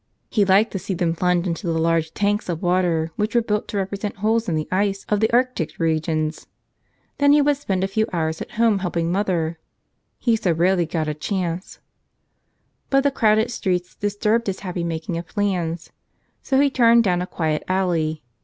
He liked to see them plunge into the large tanks of water which were built to represent holes in the ice of the Arctic regions. Then he would spend a few hours at home helping mother — he so rarely got a chance. But the crowded streets disturbed his happy making of plans; so he turned down a quiet alley.